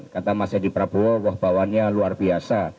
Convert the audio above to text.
kata mas yedi prabowo bahwannya luar biasa